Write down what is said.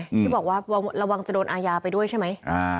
ที่บอกว่าระวังจะโดนอาญาไปด้วยใช่ไหม